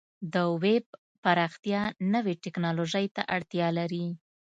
د ویب پراختیا نوې ټکنالوژۍ ته اړتیا لري.